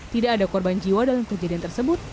tidak ada korban jiwa dalam kejadian tersebut